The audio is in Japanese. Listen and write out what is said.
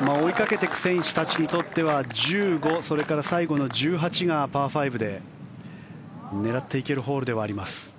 追いかけていく選手たちにとっては１５それから最後の１８がパー５で狙っていけるホールではあります。